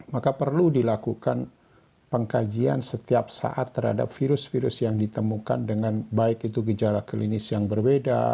maka perlu dilakukan pengkajian setiap saat terhadap virus virus yang ditemukan dengan baik itu gejala klinis yang berbeda